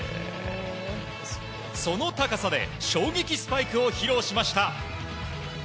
その高さで衝撃スパイクを披露しました。